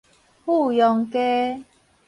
富陽街